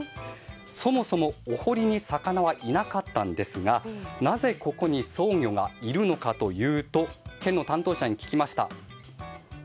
そもそも、お堀に魚はいなかったんですがなぜここにソウギョがいるのかというと県の担当者に聞きました。